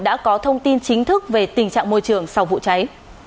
đã có thông tin chính thức về tình trạng môi trường sau vụ cháy